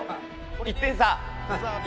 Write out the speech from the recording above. １点差。